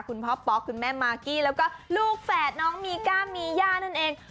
พ่อป๊อกคุณแม่มากกี้แล้วก็ลูกแฝดน้องมีก้ามีย่านั่นเอง